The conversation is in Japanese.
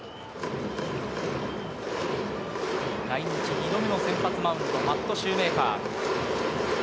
来日２度目の先発マウンド、マット・シューメーカー。